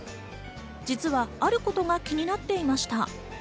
実はあることが気になっていました。